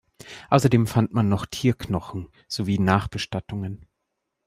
Außerdem fand man noch Tierknochen sowie Nachbestattungen.